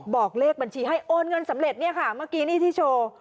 บอกเลขบัญชีให้โอนเงินสำเร็จเนี่ยค่ะเมื่อกี้นี่ที่โชว์